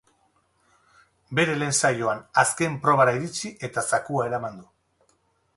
Bere lehen saioan, azken probara iritsi eta zakua eraman du.